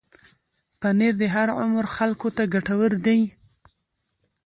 پنېر د هر عمر خلکو ته ګټور دی.